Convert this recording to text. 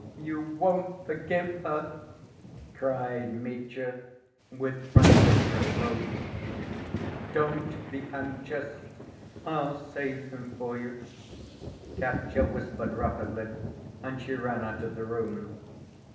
"You won't forgive her!" cried Mitya, with frantic reproach. "Don't be anxious, I'll save him for you!" Katya whispered rapidly, and she ran out of the room.